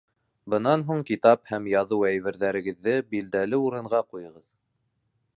Бынан һуң китап һәм яҙыу әйберҙәрегеҙҙе билдәле урынға ҡуйығыҙ.